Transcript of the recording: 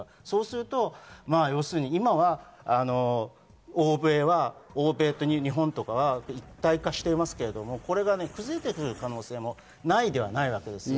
そうすると今は欧米と日本とかは一体化していますけれども、これが崩れてくる可能性もないわけではない。